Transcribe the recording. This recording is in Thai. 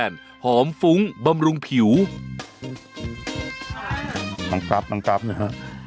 น้องกรัฟน้องกรัฟเนี่ยฮะ